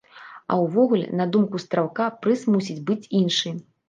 А ўвогуле, на думку стралка, прыз мусіць быць іншы.